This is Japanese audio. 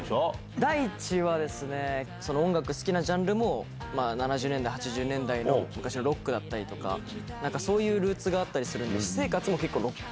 大智はですね、音楽好きなジャンルも、７０年代、８０年代の昔のロックだったりとか、なんかそういうルーツがあったりするんで、私生活も結構ロック。